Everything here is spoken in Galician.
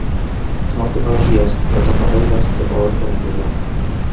As novas tecnoloxías rachan barreiras e favorecen a inclusión.